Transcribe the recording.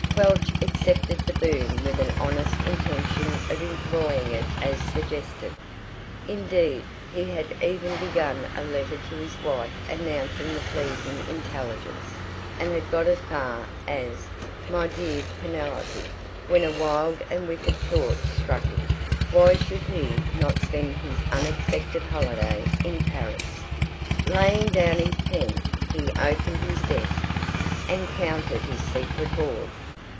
Quelch accepted the boon with an honest intention of employing it as suggested. Indeed, he had even begun a letter to his wife announcing the pleasing intelligence, and had got as far as "My dear Penelope," when a wild and wicked thought struck him: why should he not spend his unexpected holiday in Paris? Laying down his pen, he opened his desk: and counted his secret hoard.